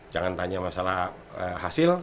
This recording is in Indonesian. jangan tanya masalah